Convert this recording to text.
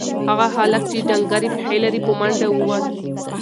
هغه هلک چې ډنگرې پښې لري په منډه ووت.